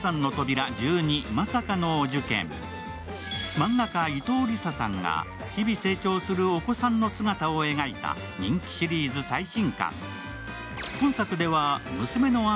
漫画家・伊藤理佐さんが日々成長するお子さんの姿を描いた人気シリーズ最新刊。